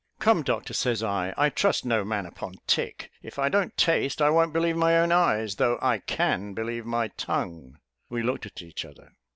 'Come, doctor,' says I, 'I trust no man upon tick; if I don't taste, I won't believe my own eyes, though I can believe my tongue.'" (We looked at each other.)